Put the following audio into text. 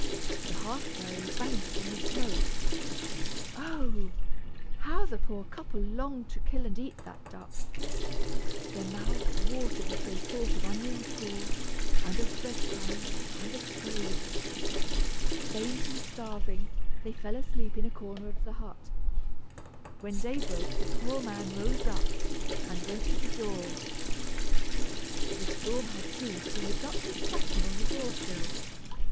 The hearth fairy vanished in the smoke. Oh! how the poor couple longed to kill and eat that duck. Their mouths watered as they thought of onion sauce, and of breadcrumbs, and of sage. Faint and starving, they fell asleep in a corner of the hut. When day broke the poor man rose up, and went to the door. The storm had ceased and the duck was quacking on the door sill.